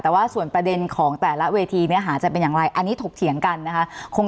แต่ว่าส่วนประเด็นของแต่ละเวทีเนื้อหาจะเป็นอย่างไรอันนี้ถกเถียงกันนะคะ